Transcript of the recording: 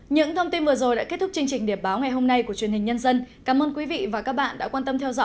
những thông tin vừa rồi đã kết thúc chương trình điệp báo ngày hôm nay của truyền hình nhân dân